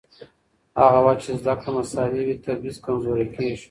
هغه وخت چې زده کړه مساوي وي، تبعیض کمزورې کېږي.